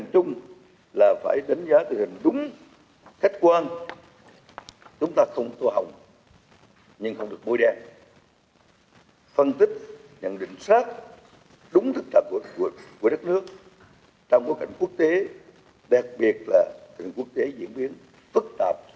đặc biệt là tình hình quốc tế diễn biến phức tạp